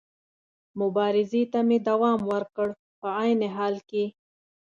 مبارزې ته مې دوام ورکړ، په عین حال کې.